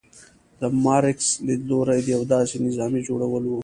د مارکس لیدلوری د یو داسې نظام جوړول و.